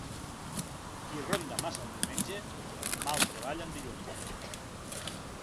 Qui ronda massa en diumenge, mal treballa en dilluns.